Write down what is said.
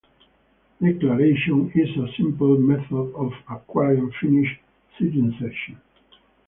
Declaration is a simpler method of acquiring Finnish citizenship.